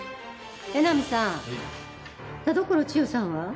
江波さん田所チヨさんは？